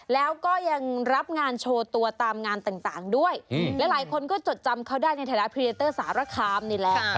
แล้วก็ยังรับงานโชว์ตัวตามงานต่างด้วยหลายคนก็จดจำเขาได้ในฐานะพรีเตอร์สารคามนี่แหละ